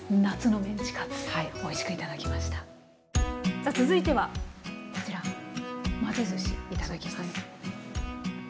さあ続いてはこちら混ぜずしいただきます。